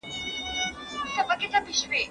هدیرې دي له زلمیو چي ډکېږي